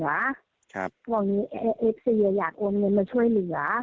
ครับตอนนี้เอฟซีอาจเอาเงินมาช่วยเหลือ